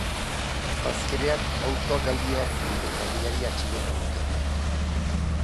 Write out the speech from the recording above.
Azkenean autoa geldiarazi eta gidaria atxilotu dute.